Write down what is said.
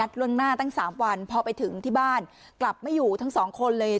ล่วงหน้าตั้ง๓วันพอไปถึงที่บ้านกลับไม่อยู่ทั้งสองคนเลย